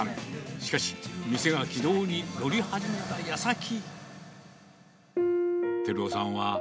しかし、店が軌道に乗り始めたやさき。